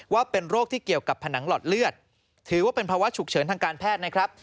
ว่าเป็นโรคที่เกี่ยวกับผนังหลอดเลือดถือว่าเป็นภาวะฉุกเฉินทางการแพทย์นะครับ